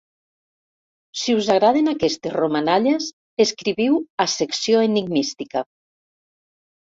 Si us agraden aquestes romanalles, escriviu a Secció Enigmística.